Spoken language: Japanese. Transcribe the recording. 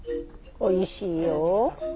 おいしいよ